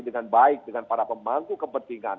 dengan baik dengan para pemangku kepentingan